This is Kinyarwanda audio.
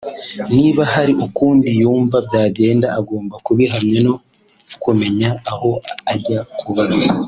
niba hari ukundi yumva byagenda agomba kubihamya no kumenya aho ajya kubaza